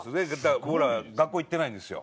僕ら学校行ってないんですよ。